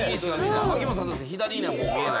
秋元さん左には見えない？